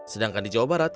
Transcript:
sedangkan di jawa barat